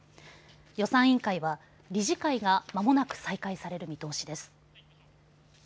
予算委員会は理事会がまもなく再開される見通しです。